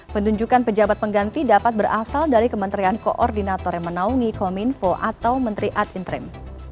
penunjukan pejabat pengganti dapat berasal dari kementerian koordinator yang menaungi kominfo atau menteri ad interim